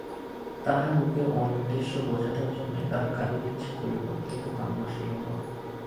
তাহার বুকের অনির্দেশ্য বোঝাটার জন্য তাহার কাঁদিতে ইচ্ছা করিল, কিন্তু কান্না আসিল না।